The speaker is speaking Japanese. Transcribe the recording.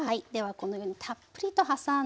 このようにたっぷりと挟んで。